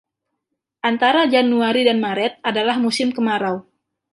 Antara Januari dan Maret adalah musim kemarau.